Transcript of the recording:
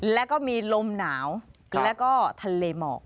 แล้วก็มีลมหนาวแล้วก็ทะเลหมอก